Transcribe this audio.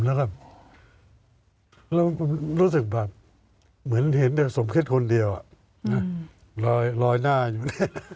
แล้วก็รู้สึกแบบเหมือนเห็นสมคิดคนเดียวรอยหน้าอยู่